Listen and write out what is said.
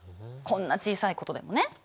こんな小さいことでもね。